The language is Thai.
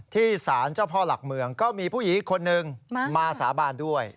ที่สารเจ้าพ่อหลักเมืองก็มีผู้หญิงอีกคนนึงมาสาบานด้วย